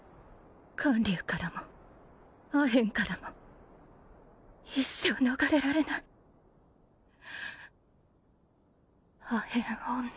観柳からもアヘンからも一生逃れられないアヘン女